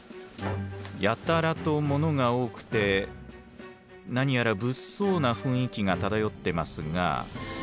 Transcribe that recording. やたらとものが多くて何やら物騒な雰囲気が漂ってますが。